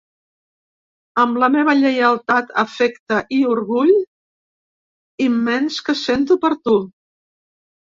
Amb la meva lleialtat, afecte i l’orgull immens que sento per tu.